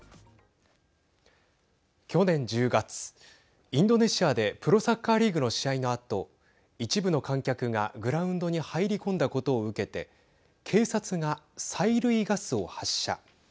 去年１０月、インドネシアでプロサッカーリーグの試合のあと一部の観客がグラウンドに入り込んだことを受けて警察が催涙ガスを発射。